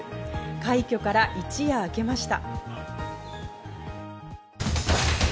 快挙から一夜明けました。